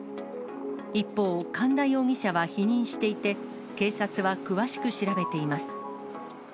一方、神田容疑者は否認していて、警察は詳しく調べています。